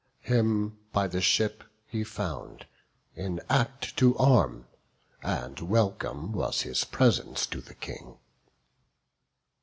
Him by the ship he found, in act to arm; And welcome was his presence to the King.